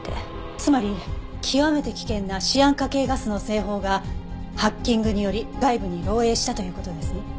つまり極めて危険なシアン化系ガスの製法がハッキングにより外部に漏洩したという事ですね？